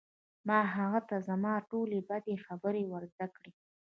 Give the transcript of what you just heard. ما هغه ته زما ټولې بدې خبرې ور زده کړې